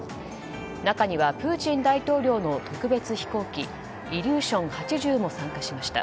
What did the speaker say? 中にはプーチン大統領の特別飛行機イリューシン８０も参加しました。